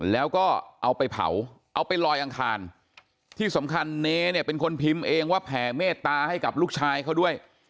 แล้วก็เอาไปเผาเอาไปลอยอังคารที่สำคัญเนเนี่ยเป็นคนพิมพ์เองว่าแผ่เมตตาให้กับลูกชายเขาด้วย